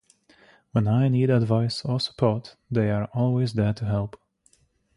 When I need advice or support, they are always there to help.